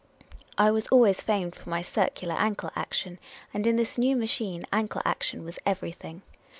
I was always famed for my circular ankle action ; and in this new machine, ankle action was everything.